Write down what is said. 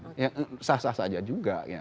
perubahan sah sah saja juga ya